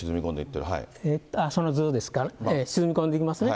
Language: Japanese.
その図ですか、沈み込んでいきますね。